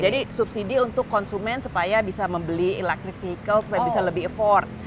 jadi subsidi untuk konsumen supaya bisa membeli electric vehicle supaya bisa lebih effort